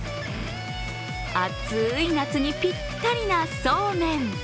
暑い夏にぴったりなそうめん。